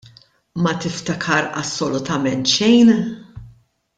Ma tiftakar assolutament xejn?